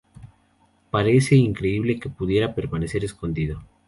Parece increíble que pudiera permanecer escondido.